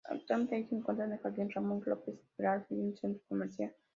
Actualmente ahí se encuentra el jardín Ramón López Velarde y un centro comercial.